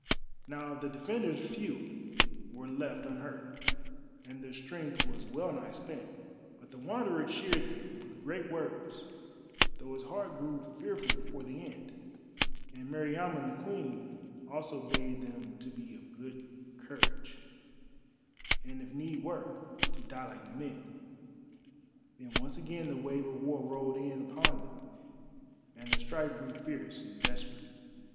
Now of the defenders few were left unhurt, and their strength was well nigh spent. But the Wanderer cheered them with great words, though his heart grew fearful for the end; and Meriamun the Queen also bade them to be of good courage, and if need were, to die like men. Then once again the wave of War rolled in upon them, and the strife grew fierce and desperate.